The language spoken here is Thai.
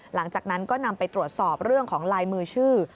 หลังจากนั้นก็นำไปตรวจสอบเรื่องของลายมือชื่อ